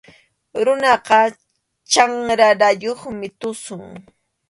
Runakunaqa chanrarayuqmi tusun.